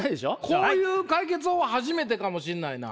こういう解決法初めてかもしんないな。